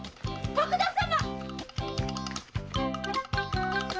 徳田様！